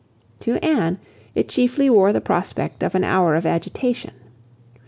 To Anne, it chiefly wore the prospect of an hour of agitation.